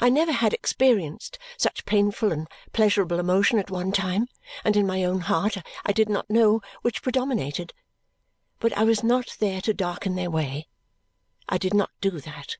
I never had experienced such painful and pleasurable emotion at one time, and in my own heart I did not know which predominated. But I was not there to darken their way; I did not do that.